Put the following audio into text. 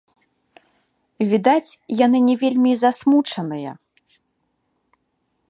Відаць, яны не вельмі і засмучаныя.